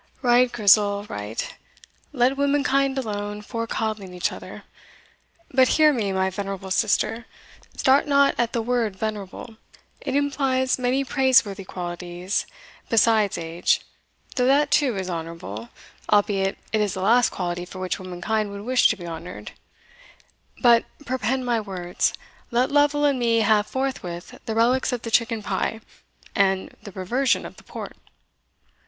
"Right, Grizel, right let womankind alone for coddling each other. But hear me, my venerable sister start not at the word venerable; it implies many praiseworthy qualities besides age; though that too is honourable, albeit it is the last quality for which womankind would wish to be honoured But perpend my words: let Lovel and me have forthwith the relics of the chicken pie, and the reversion of the port."